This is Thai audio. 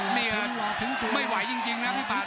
นี่ไงไม่ไหวจริงจริงนะจุบแล้ว